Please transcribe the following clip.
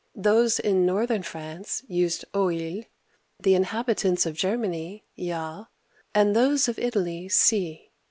Those in northern France used oil (o eel'), the inhabitants of Germany y^ (ya), and those of Italy si (se).